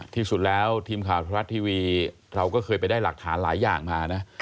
ที่สุดแล้วทีมข่าวธรรมรัฐทีวีเราก็เคยไปได้หลักฐานหลายอย่างมานะ